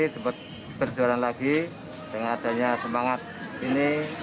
cepat berjualan lagi dengan adanya semangat ini